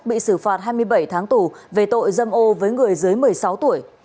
bị xử phạt hai mươi bảy tháng tù về tội dâm ô với người dưới một mươi sáu tuổi